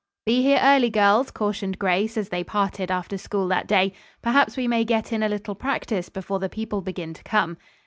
"Be here early, girls," cautioned Grace, as they parted after school that day. "Perhaps we may get in a little practice before the people begin to come."